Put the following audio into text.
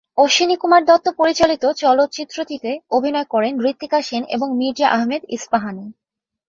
অশ্বিনীকুমার দত্ত পরিচালিত চলচ্চিত্রটিতে অভিনয় করেন ঋত্বিকা সেন এবং মির্জা আহমেদ ইস্পাহানি।